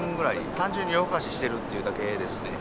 単純に夜ふかししてるっていうだけですね。